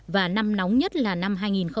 và năm nóng nhất là năm hai nghìn một mươi chín